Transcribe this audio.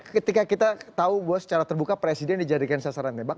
ketika kita tahu bahwa secara terbuka presiden dijadikan sasaran nebak